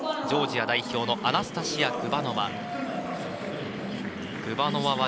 ジョージア代表のアナスタシア・グバノワ。